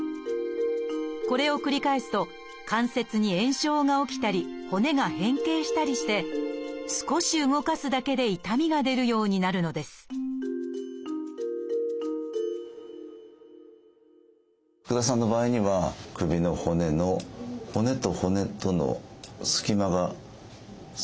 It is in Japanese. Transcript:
これを繰り返すと関節に炎症が起きたり骨が変形したりして少し動かすだけで痛みが出るようになるのです福田さんの場合には首の骨の骨と骨との隙間が少し減ってきてます。